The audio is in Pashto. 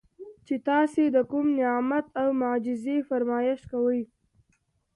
چې تاسي د کوم نعمت او معجزې فرمائش کوئ